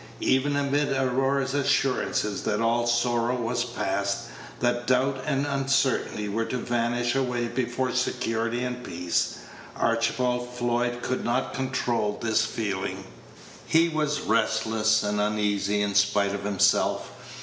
Even amid Aurora's assurances that all sorrow was past, that doubt and uncertainty were to vanish away before security and peace, Archibald Floyd could not control this feeling. He was restless and uneasy in spite of himself.